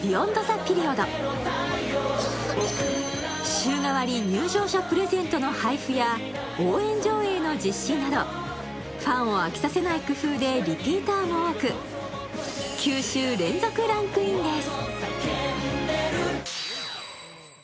週替わり入場者プレゼントの配布や応援上映の実施などファンを飽きさせない工夫でリピーターも多く９週連続ランクインです。